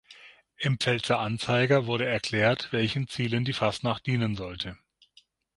Im Pfälzer Anzeiger wurde erklärt, welchen Zielen die Fastnacht dienen sollte.